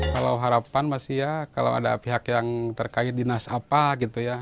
kalau harapan masih ya kalau ada pihak yang terkait dinas apa gitu ya